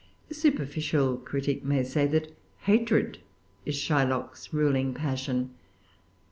A superficial critic may say that hatred is Shylock's ruling passion.